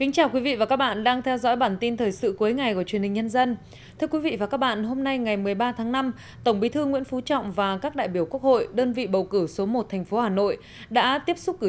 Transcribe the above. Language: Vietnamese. các bạn hãy đăng ký kênh để ủng hộ kênh của chúng mình nhé